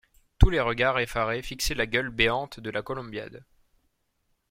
Tous les regards effarés fixaient la gueule béante de la Columbiad.